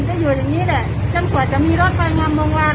จะอยู่แบบนี้แหละจนกว่าจะมีรถไปเงินบางวัล